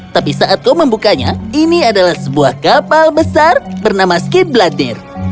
tapi saat kau membukanya ini adalah sebuah kapal besar bernama sket bladier